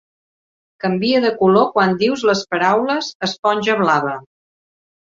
Canvia de color quan dius les paraules "esponja blava".